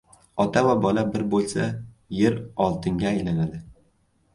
• Ota va bola bir bo‘lsa, yer oltinga aylanadi.